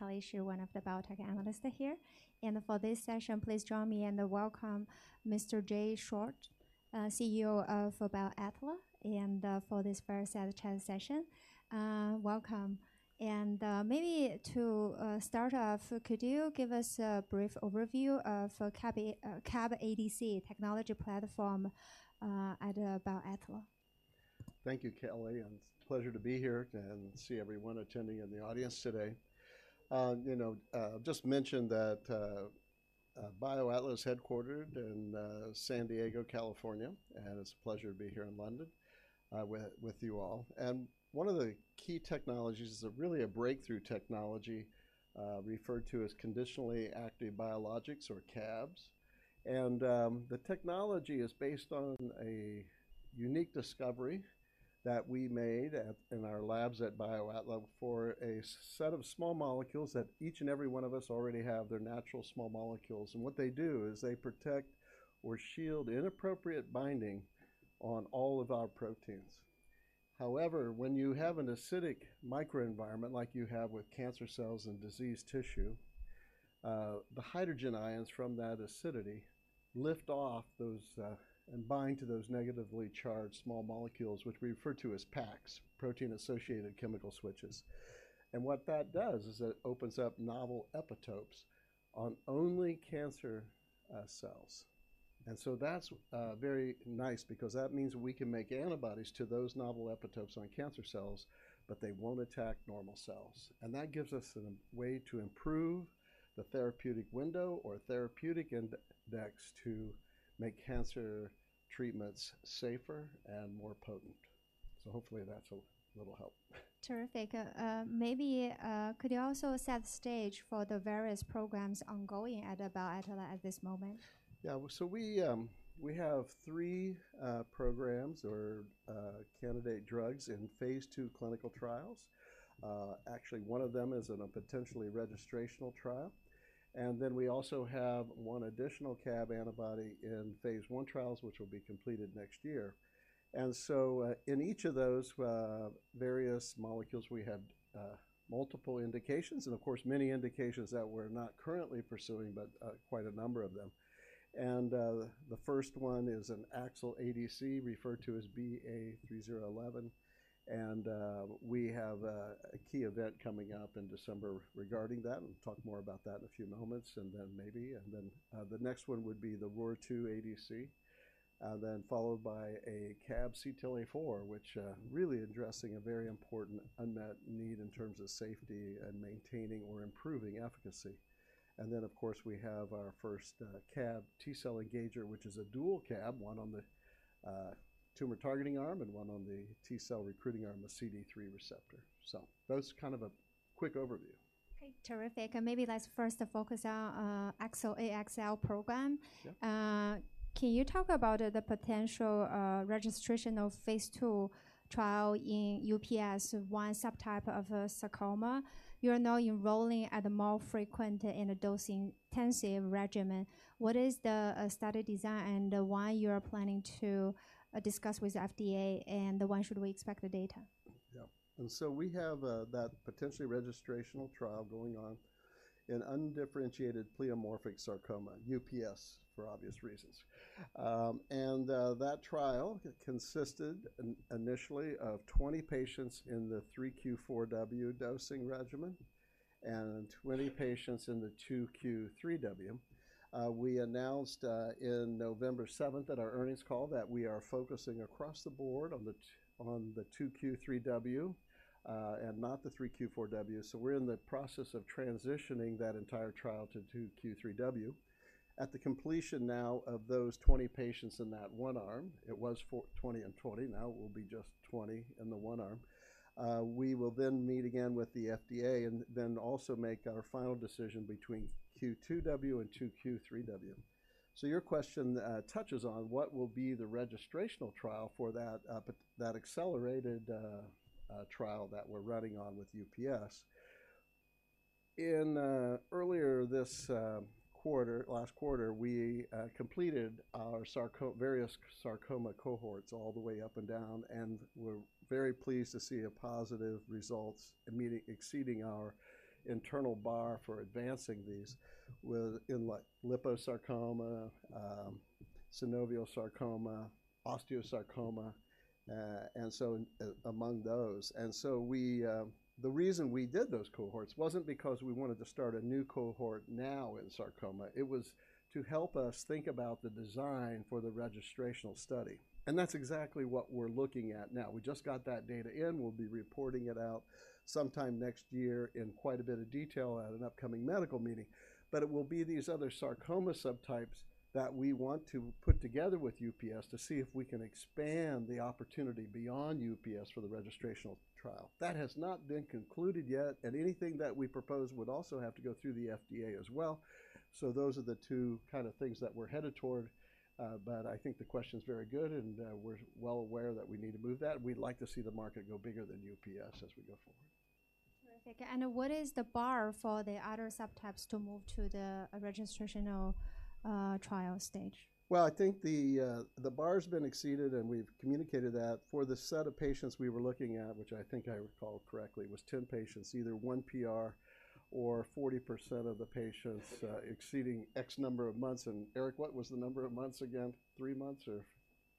My name is Kelly Shi, one of the Biotech Analysts here. For this session, please join me and welcome Mr. Jay Short, CEO of BioAtla, for this fireside chat session. Welcome. Maybe to start off, could you give us a brief overview of CAB-ADC technology platform at BioAtla? Thank you, Kelly, and it's a pleasure to be here and see everyone attending in the audience today. You know, just mention that, BioAtla is headquartered in, San Diego, California, and it's a pleasure to be here in London, with you all. And one of the key technologies is a really a breakthrough technology, referred to as Conditionally Active Biologics or CABs. And, the technology is based on a unique discovery that we made at, in our labs at BioAtla for a set of small molecules that each and every one of us already have, they're natural small molecules. And what they do is they protect or shield inappropriate binding on all of our proteins. However, when you have an acidic microenvironment, like you have with cancer cells and diseased tissue, the hydrogen ions from that acidity lift off those, and bind to those negatively charged small molecules, which we refer to as PaCS, Protein-associated Chemical Switches. And what that does is it opens up novel epitopes on only cancer, cells. And so that's, very nice because that means we can make antibodies to those novel epitopes on cancer cells, but they won't attack normal cells. And that gives us a way to improve the therapeutic window or therapeutic index to make cancer treatments safer and more potent. So hopefully that's a little help. Terrific. Maybe, could you also set the stage for the various programs ongoing at BioAtla at this moment? Yeah. So we have three programs or candidate drugs in phase II clinical trials. Actually, one of them is in a potentially registrational trial. Then we also have one additional CAB antibody in phase I trials, which will be completed next year. In each of those various molecules, we had multiple indications and of course, many indications that we're not currently pursuing, but quite a number of them. The first one is an AXL ADC, referred to as BA3011, and we have a key event coming up in December regarding that. We'll talk more about that in a few moments, and then the next one would be the ROR2-ADC, then followed by a CAB-CTLA-4, which really addressing a very important unmet need in terms of safety and maintaining or improving efficacy. And then, of course, we have our first CAB T-cell engager, which is a dual CAB, one on the tumor targeting arm and one on the T-cell recruiting arm, the CD3 receptor. So that was kind of a quick overview. Okay, terrific. Maybe let's first focus on AXL, AXL program. Yeah. Can you talk about the potential registration of phase II trial in UPS, one subtype of sarcoma? You are now enrolling at a more frequent and a dose-intensive regimen. What is the study design and why you are planning to discuss with FDA, and when should we expect the data? Yeah. So we have that potentially registrational trial going on in undifferentiated pleomorphic sarcoma, UPS, for obvious reasons. That trial consisted initially of 20 patients in the three Q4W dosing regimen and 20 patients in the two Q3W. We announced in November 7 at our earnings call that we are focusing across the board on the two Q3W and not the three Q4W. So we're in the process of transitioning that entire trial to two Q3W. At the completion now of those 20 patients in that one arm, it was 20 and 20, now it will be just 20 in the one arm. We will then meet again with the FDA and then also make our final decision between Q2W and two Q3W. So your question touches on what will be the registrational trial for that accelerated trial that we're running on with UPS. In earlier this quarter, last quarter, we completed our various sarcoma cohorts all the way up and down, and we're very pleased to see a positive results immediately exceeding our internal bar for advancing these within like liposarcoma, synovial sarcoma, osteosarcoma, and so among those. And so we. The reason we did those cohorts wasn't because we wanted to start a new cohort now in sarcoma. It was to help us think about the design for the registrational study. And that's exactly what we're looking at now. We just got that data in. We'll be reporting it out sometime next year in quite a bit of detail at an upcoming medical meeting. But it will be these other sarcoma subtypes that we want to put together with UPS to see if we can expand the opportunity beyond UPS for the registrational trial. That has not been concluded yet, and anything that we propose would also have to go through the FDA as well. So those are the two kind of things that we're headed toward, but I think the question is very good, and, we're well aware that we need to move that. We'd like to see the market go bigger than UPS as we go forward. Okay, and what is the bar for the other subtypes to move to the registrational trial stage? Well, I think the bar's been exceeded, and we've communicated that. For the set of patients we were looking at, which I think I recall correctly, was 10 patients, either one PR or 40% of the patients exceeding X number of months. And Eric, what was the number of months again? Three months or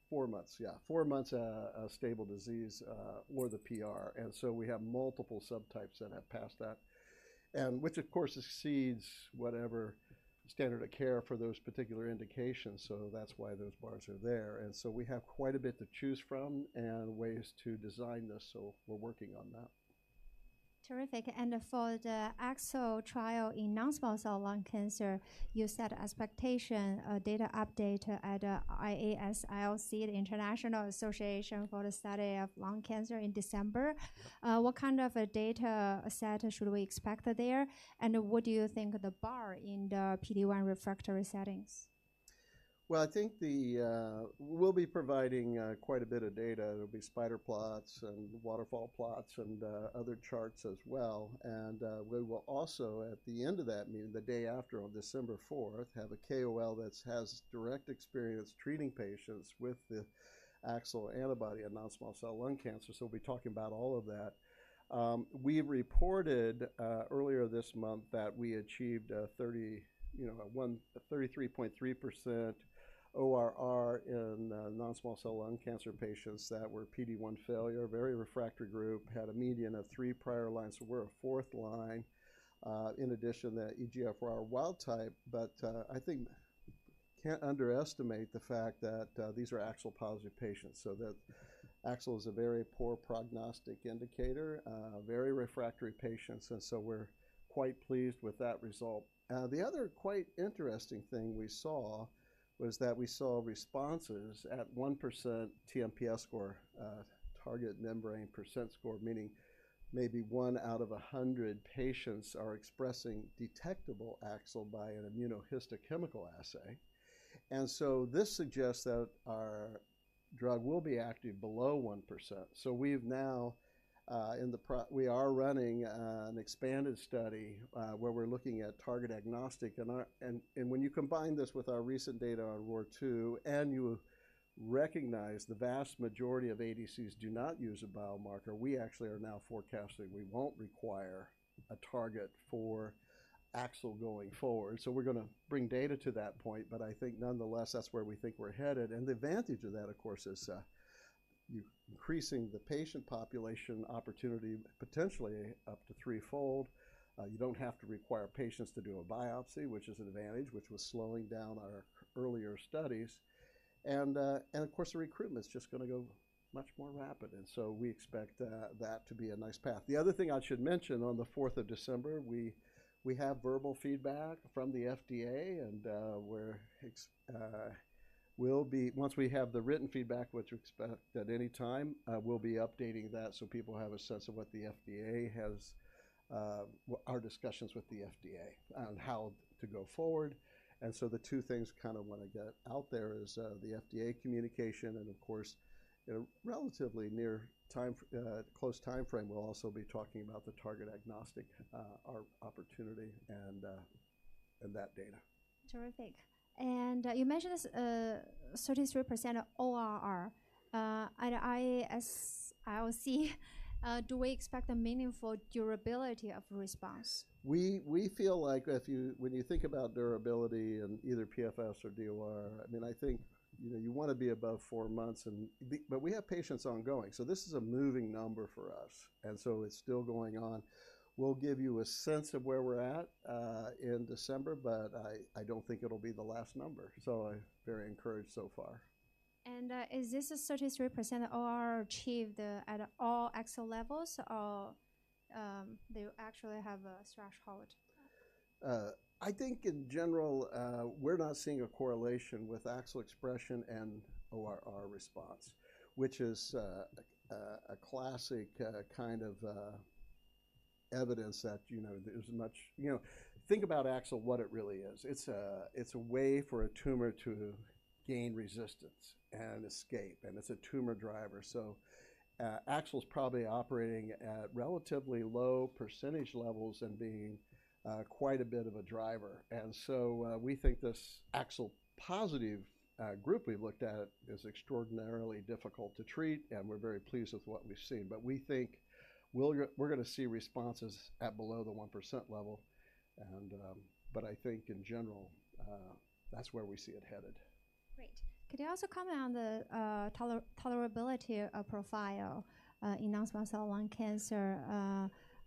four months. Yeah, four months of stable disease or the PR. And so we have multiple subtypes that have passed that, and which of course exceeds whatever standard of care for those particular indications. So that's why those bars are there. And so we have quite a bit to choose from and ways to design this, so we're working on that. Terrific. And for the AXL trial in non-small cell lung cancer, you set expectation, data update at, IASLC, the International Association for the Study of Lung Cancer in December. What kind of a data set should we expect there? And what do you think the bar in the PD-1 refractory settings? Well, I think the... We'll be providing quite a bit of data. There'll be spider plots and waterfall plots and other charts as well. And we will also, at the end of that meeting, the day after, on December 4, have a KOL that has direct experience treating patients with the AXL antibody and non-small cell lung cancer. So we'll be talking about all of that. We reported earlier this month that we achieved a 33.3%, you know, ORR in non-small cell lung cancer patients that were PD-1 failure. Very refractory group, had a median of three prior lines, so we're a fourth line, in addition to that EGFR wild type. But, I think can't underestimate the fact that, these are AXL-positive patients, so that AXL is a very poor prognostic indicator, very refractory patients, and so we're quite pleased with that result. The other quite interesting thing we saw was that we saw responses at 1% TmPS score, target membrane percent score, meaning maybe one out of 100 patients are expressing detectable AXL by an immunohistochemical assay. And so this suggests that our drug will be active below 1%. So we've now, we are running, an expanded study, where we're looking at target agnostic. And our... When you combine this with our recent data on ROR2, and you recognize the vast majority of ADCs do not use a biomarker, we actually are now forecasting we won't require a target for AXL going forward. So we're gonna bring data to that point, but I think nonetheless, that's where we think we're headed. And the advantage of that, of course, is you're increasing the patient population opportunity, potentially up to threefold. You don't have to require patients to do a biopsy, which is an advantage, which was slowing down our earlier studies. And of course, the recruitment is just gonna go much more rapid, and so we expect that to be a nice path. The other thing I should mention, on the fourth of December, we have verbal feedback from the FDA, and once we have the written feedback, which we expect at any time, we'll be updating that so people have a sense of what the FDA has, what our discussions with the FDA on how to go forward. And so the two things kind of want to get out there is, the FDA communication and of course, a relatively near timeframe, close timeframe. We'll also be talking about the target agnostic opportunity and that data. Terrific. And you mentioned this, 33% ORR at IASLC. Do we expect a meaningful durability of response? We feel like if you, when you think about durability in either PFS or DOR, I mean, I think, you know, you wanna be above four months and be. But we have patients ongoing, so this is a moving number for us, and so it's still going on. We'll give you a sense of where we're at in December, but I don't think it'll be the last number, so I'm very encouraged so far. Is this a 33% ORR achieved at all AXL levels or they actually have a threshold? I think in general, we're not seeing a correlation with AXL expression and ORR response, which is a classic kind of evidence that, you know, there's much... You know, think about AXL, what it really is. It's a way for a tumor to gain resistance and escape, and it's a tumor driver. So, AXL's probably operating at relatively low percentage levels and being quite a bit of a driver. And so, we think this AXL positive group we've looked at is extraordinarily difficult to treat, and we're very pleased with what we've seen. But we think we're gonna see responses at below the 1% level and... But I think in general, that's where we see it headed. Great. Could you also comment on the tolerability profile in non-small cell lung cancer?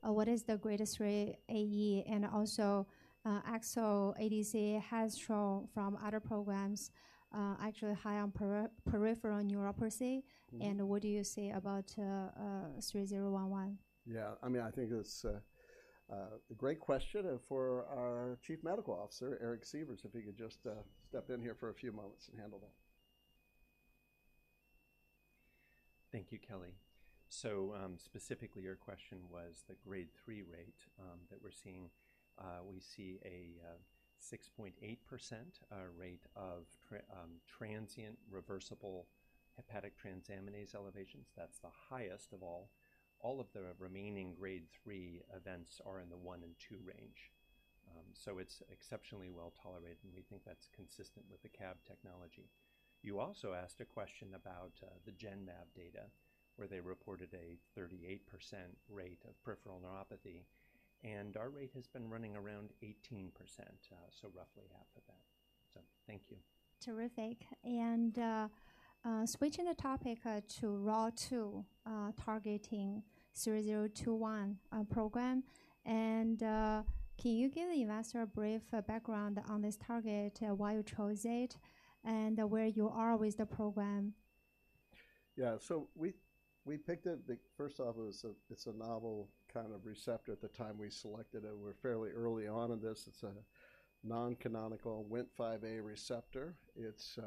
What is the Grade three AE, and also, AXL ADC has shown from other programs, actually high on peripheral neuropathy- Mm-hmm. What do you see about 3011? Yeah, I mean, I think it's a great question for our Chief Medical Officer, Eric Sievers, if he could just step in here for a few moments and handle that. Thank you, Kelly. So, specifically, your question was the grade 3 rate? That we're seeing, we see a 6.8% rate of transient reversible hepatic transaminase elevations. That's the highest of all. All of the remaining grade 3 events are in the one and two range. So it's exceptionally well tolerated, and we think that's consistent with the CAB technology. You also asked a question about the Genmab data, where they reported a 38% rate of peripheral neuropathy, and our rate has been running around 18%, so roughly half of that. So thank you. Terrific. And, switching the topic to ROR2-targeting 3021 program. And, can you give the investor a brief background on this target, why you chose it, and where you are with the program? Yeah. So we picked it first off, it was a, it's a novel kind of receptor. At the time we selected it, we were fairly early on in this. It's a non-canonical Wnt5a receptor. It's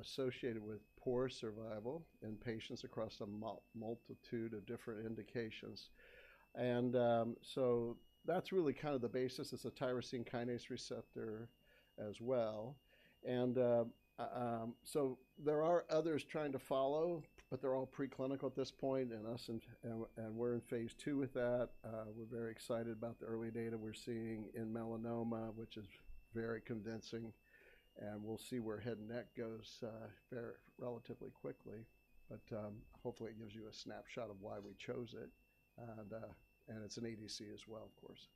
associated with poor survival in patients across a multitude of different indications. And so that's really kind of the basis. It's a tyrosine kinase receptor as well. And so there are others trying to follow, but they're all preclinical at this point, and us and we're in phase II with that. We're very excited about the early data we're seeing in melanoma, which is very convincing, and we'll see where head and neck goes, relatively quickly. But hopefully, it gives you a snapshot of why we chose it, and it's an ADC as well, of course.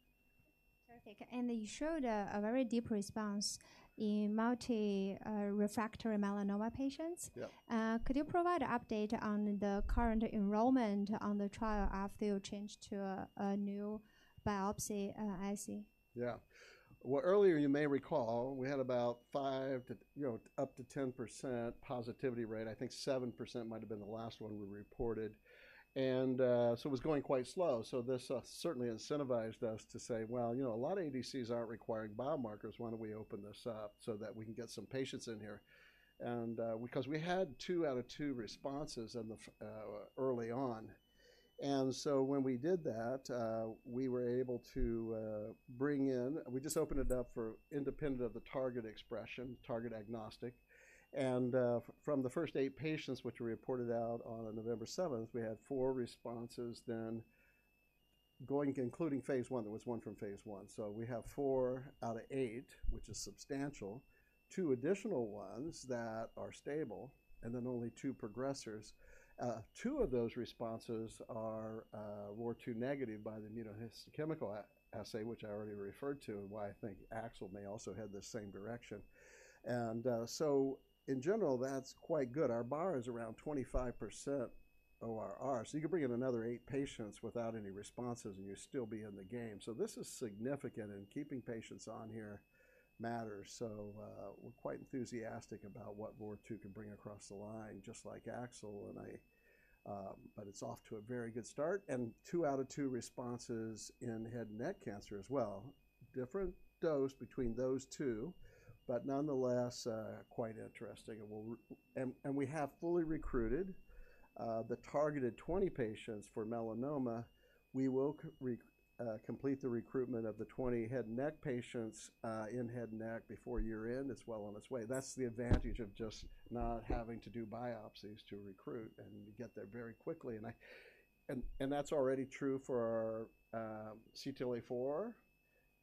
Terrific. And you showed a very deep response in multiply refractory melanoma patients. Yeah. Could you provide an update on the current enrollment on the trial after you changed to a new biopsy assay? Yeah. Well, earlier you may recall, we had about five to, you know, up to 10% positivity rate. I think 7% might have been the last one we reported. And so it was going quite slow. So this certainly incentivized us to say: Well, you know, a lot of ADCs aren't requiring biomarkers. Why don't we open this up so that we can get some patients in here? And because we had two out of two responses in the early on, and so when we did that, we were able to bring in—we just opened it up for independent of the target expression, target agnostic. And from the first eight patients, which we reported out on November 7th, we had four responses then going, including phase I. There was one from phase I. So we have four out of eight, which is substantial, two additional ones that are stable, and then only two progressors. Two of those responses are ROR2 negative by the immunohistochemical assay, which I already referred to, and why I think AXL may also head the same direction. So in general, that's quite good. Our bar is around 25% ORR. So you could bring in another eight patients without any responses, and you'd still be in the game. So this is significant, and keeping patients on here matters. So, we're quite enthusiastic about what ROR2 can bring across the line, just like AXL and I. But it's off to a very good start, and two out of two responses in head and neck cancer as well. Different dose between those two, but nonetheless, quite interesting, and we'll... We have fully recruited the targeted 20 patients for melanoma. We will complete the recruitment of the 20 head and neck patients in head and neck before year-end. It's well on its way. That's the advantage of just not having to do biopsies to recruit, and you get there very quickly, and that's already true for our CTLA-4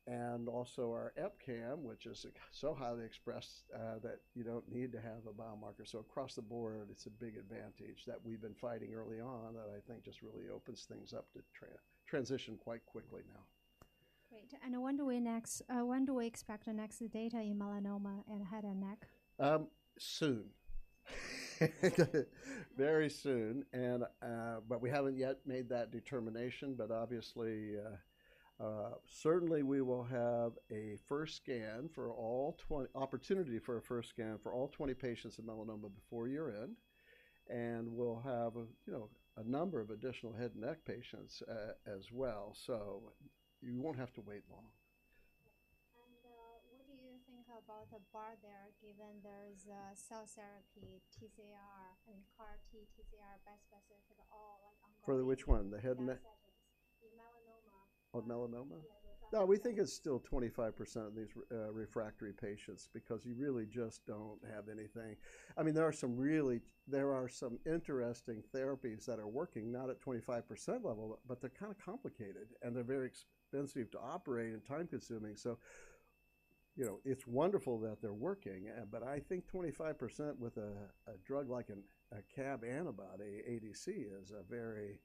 and also our EpCAM, which is so highly expressed that you don't need to have a biomarker. So across the board, it's a big advantage that we've been fighting early on, that I think just really opens things up to transition quite quickly now. Great. When do we expect the next data in melanoma and head and neck? Very soon, but we haven't yet made that determination. But obviously, certainly, we will have opportunity for a first scan for all 20 patients in melanoma before year-end. And we'll have a, you know, a number of additional head and neck patients, as well, so you won't have to wait long. What do you think about the bar there, given there's a cell therapy, TCR and CAR-T, TCR bispecific all like- For the which one? The head and neck- Melanoma. Oh, melanoma? Yeah. No, we think it's still 25% in these refractory patients because you really just don't have anything. I mean, there are some interesting therapies that are working, not at 25% level, but they're kind of complicated, and they're very expensive to operate and time-consuming. So, you know, it's wonderful that they're working, but I think 25% with a drug like a CAB antibody, ADC, is a very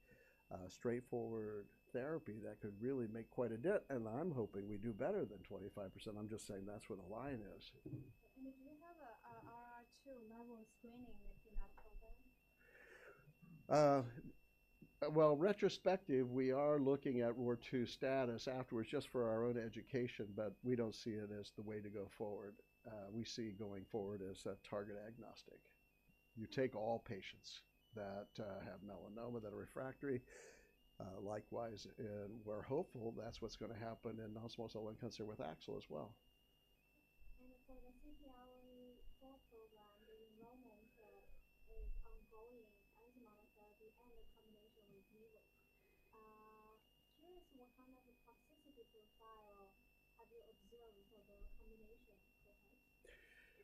straightforward therapy that could really make quite a dent, and I'm hoping we do better than 25%. I'm just saying that's where the line is. Do you have a ROR2 level screening in that program? Well, retrospective, we are looking at ROR2 status afterwards, just for our own education, but we don't see it as the way to go forward. We see going forward as a target agnostic. You take all patients that have melanoma, that are refractory. Likewise, and we're hopeful that's what's gonna happen in non-small cell lung cancer with AXL as well. And a combination with nivo. Curious what kind of toxicity profile have you observed for the combination so far?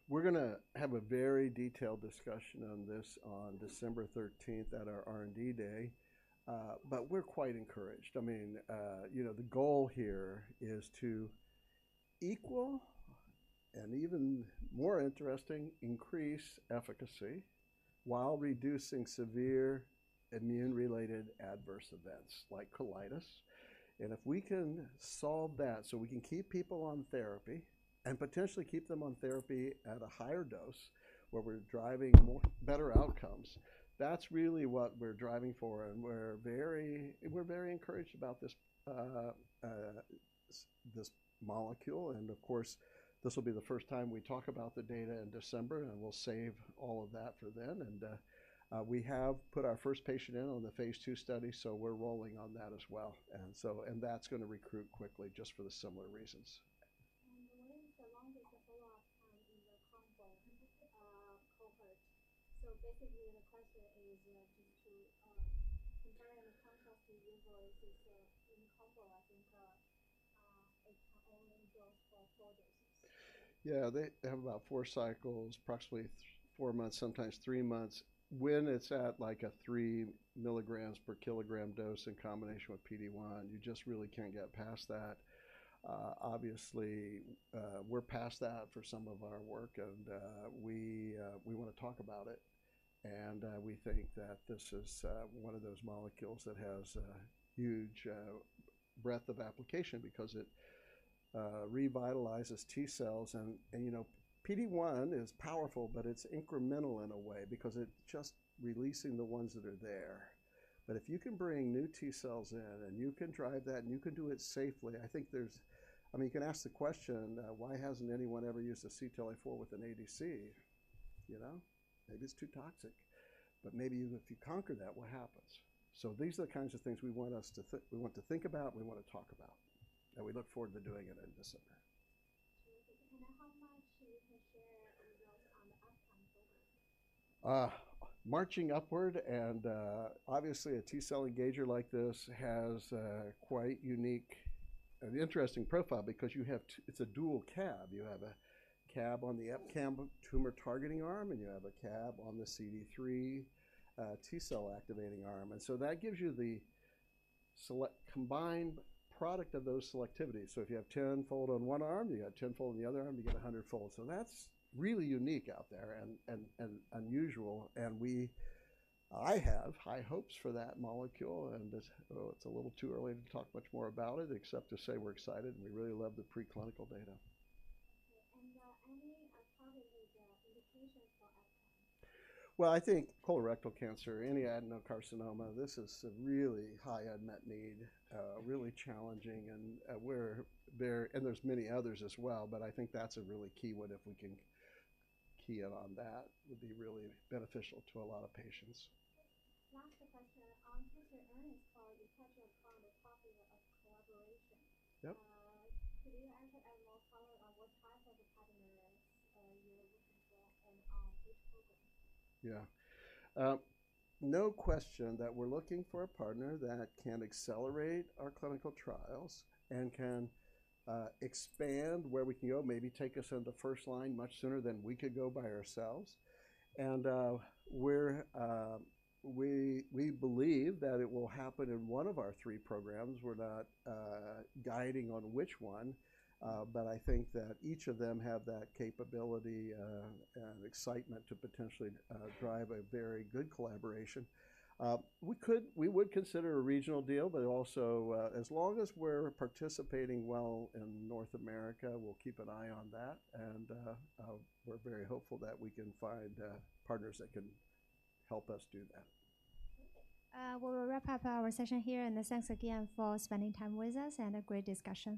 We're gonna have a very detailed discussion on this on December 13th at our R&D Day. But we're quite encouraged. I mean, you know, the goal here is to equal and even more interesting, increase efficacy while reducing severe immune-related adverse events like colitis. And if we can solve that, so we can keep people on therapy and potentially keep them on therapy at a higher dose, where we're driving more better outcomes, that's really what we're driving for, and we're very, we're very encouraged about this, this molecule. And of course, this will be the first time we talk about the data in December, and we'll save all of that for then. We have put our first patient in on the phase II study, so we're rolling on that as well. And so... And that's gonna recruit quickly just for the similar reasons. What is the longest follow-up time in the combo cohort? So basically, the question is, you know, to comparing the contrast with usual is in combo, I think, it can only go for four doses. Yeah, they have about four cycles, approximately four months, sometimes three months. When it's at, like, a 3 mg per kilogram dose in combination with PD-1, you just really can't get past that. Obviously, we're past that for some of our work, and we wanna talk about it. And we think that this is one of those molecules that has a huge breadth of application because it revitalizes T-cells. And you know, PD-1 is powerful, but it's incremental in a way because it's just releasing the ones that are there. But if you can bring new T-cells in, and you can drive that, and you can do it safely, I think there's. I mean, you can ask the question, why hasn't anyone ever used a CTLA-4 with an ADC? You know, maybe it's too toxic. But maybe even if you conquer that, what happens? So these are the kinds of things we want to think about, we want to talk about, and we look forward to doing it in December. How much you can share results on the upcoming program? Marching upward and, obviously, a T-cell engager like this has a quite unique and interesting profile because you have—it's a dual CAB. You have a CAB on the EpCAM tumor targeting arm, and you have a CAB on the CD3 T-cell activating arm. And so that gives you the select combined product of those selectivities. So if you have 10-fold on one arm, you got 10-fold on the other arm, you get a 100-fold. So that's really unique out there and, and, and unusual, and we—I have high hopes for that molecule, and it's a little too early to talk much more about it, except to say we're excited and we really love the preclinical data. Any, probably the indications for EpCAM? Well, I think colorectal cancer, any adenocarcinoma, this is a really high unmet need, really challenging and, we're there, and there's many others as well, but I think that's a really key one if we can key in on that, would be really beneficial to a lot of patients. Last question. Since your earnings call, you touched upon the topic of collaboration. Yep. Could you actually add more color on what type of a partner you're looking for and which program? Yeah. No question that we're looking for a partner that can accelerate our clinical trials and can expand where we can go, maybe take us into first line much sooner than we could go by ourselves. And we believe that it will happen in one of our three programs. We're not guiding on which one, but I think that each of them have that capability and excitement to potentially drive a very good collaboration. We could, we would consider a regional deal, but also, as long as we're participating well in North America, we'll keep an eye on that, and we're very hopeful that we can find partners that can help us do that. We'll wrap up our session here, and thanks again for spending time with us and a great discussion.